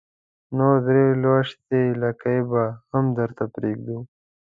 نو درې لوېشتې لکۍ به هم درته پرېږدو.